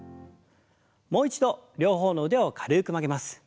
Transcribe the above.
もう一度両方の腕を軽く曲げます。